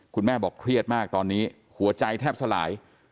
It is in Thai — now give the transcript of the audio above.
คุณแม่บอกเครียดมากตอนนี้หัวใจแทบสลาย